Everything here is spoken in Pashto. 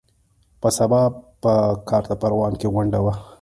په سبا په کارته پروان کې غونډه وه.